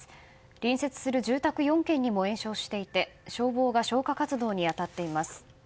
隣接する住宅４軒にも延焼していて消防が消火活動に当たっています。